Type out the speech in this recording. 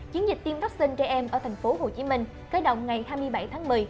chiến dịch tiêm vaccine trẻ em ở thành phố hồ chí minh kết động ngày hai mươi bảy tháng một mươi